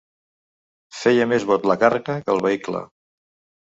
Feia més bot la càrrega que el vehicle.